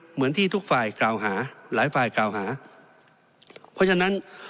เหมือนที่ทุกฝ่ายกล่าวหาหลายฝ่ายกล่าวหาเพราะฉะนั้น